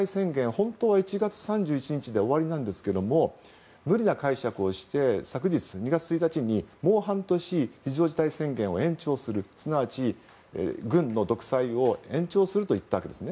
本当は１月３１日で終わりなんですけども無理な解釈をして昨日２月１日にもう半年非常事態宣言を延長するすなわち軍の独裁を延長するといったわけですね。